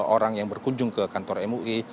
orang yang berkunjung ke kantor mui